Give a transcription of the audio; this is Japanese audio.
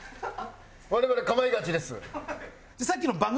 我々『かまいガチ』です。